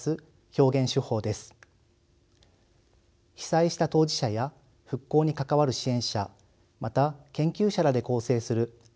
被災した当事者や復興に関わる支援者また研究者らで構成する「３．１１からの独り言」